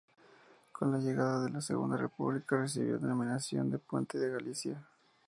Con la llegada de la Segunda República, recibió la denominación de Puente de Galicia.